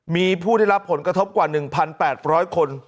มีผู้ได้รับผลกระทบกว่า๑๘๐๐คน